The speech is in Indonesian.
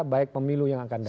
baik pemilu yang akan datang